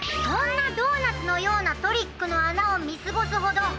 そんなドーナツのようなトリックのあなをみすごすほど。